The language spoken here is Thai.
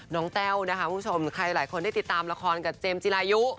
แต้วนะคะคุณผู้ชมใครหลายคนได้ติดตามละครกับเจมส์จิรายุ